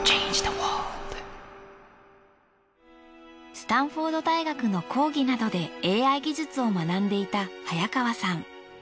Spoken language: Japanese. スタンフォード大学の講義などでＡＩ技術を学んでいた早川さん。